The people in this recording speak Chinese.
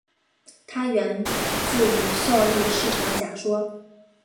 它源自于效率市场假说。